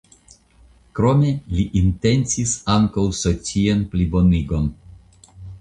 Krome li intencis ankaŭ socian plibonigon.